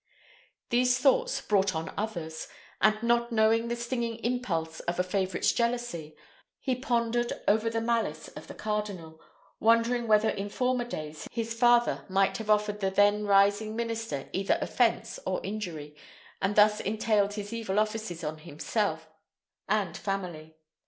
These thoughts brought on others; and not knowing the stinging impulse of a favourite's jealousy, he pondered over the malice of the cardinal, wondering whether in former days his father might have offered the then rising minister either offence or injury, and thus entailed his evil offices on himself and family.